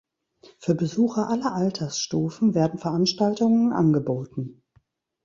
Für Besucher aller Altersstufen werden Veranstaltungen angeboten.